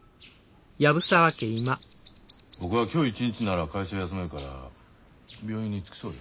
僕は今日一日なら会社休めるから病院に付き添うよ。